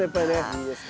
いいですね。